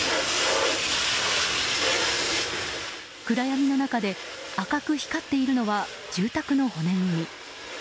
暗闇の中で赤く光っているのは住宅の骨組み。